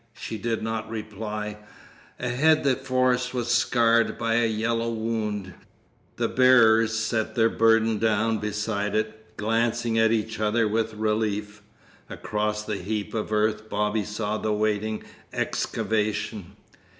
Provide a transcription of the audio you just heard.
She did not reply. Ahead the forest was scarred by a yellow wound. The bearers set their burden down beside it, glancing at each other with relief. Across the heap of earth Bobby saw the waiting excavation.